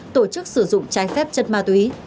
tổ chức sử dụng trái phép chân ma túy